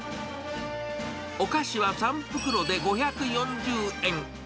お菓子は３袋で５４０円。